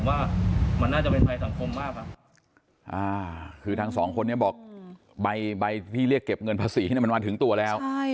อันนี้ผมว่า